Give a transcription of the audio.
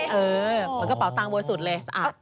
เปลี่ยงกระเป๋าตังโบริสุทธิ์เลยสะอาด